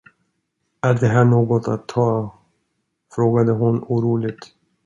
Är det här något att ta, frågade hon oroligt.